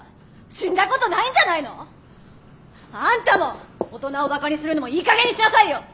死んだことないんじゃないの？あんたも大人をバカにするのもいいかげんにしなさいよ！